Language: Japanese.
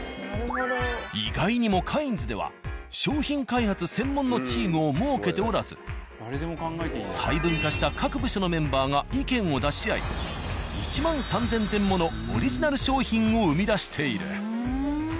意外にも「カインズ」では商品開発専門のチームを設けておらず細分化した各部署のメンバーが意見を出し合い１万３０００点ものオリジナル商品を生み出している。